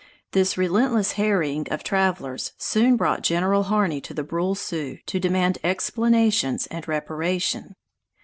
This relentless harrying of travelers soon brought General Harney to the Brule Sioux to demand explanations and reparation.